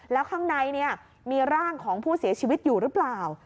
แล้วข้างในมีร่างของผู้เสียชีวิตอยู่หรือเปล่า